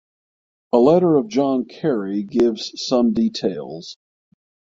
A letter of John Carey gives some details.